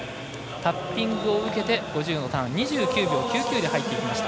タッピングを受けて５０のターン２９秒９９で入ってきました。